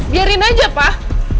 biarin aja pak